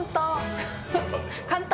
簡単！